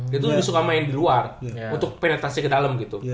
kita lebih suka main di luar untuk penetrasi ke dalam gitu